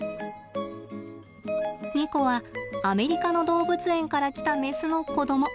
ニコはアメリカの動物園から来たメスの子ども。